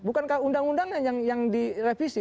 bukankah undang undangnya yang direvisi